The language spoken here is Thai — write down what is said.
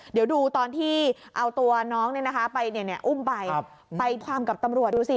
เดี๋ยวดูตอนที่เอาตัวน้องไปอุ้มไปไปความกับตำรวจดูสิ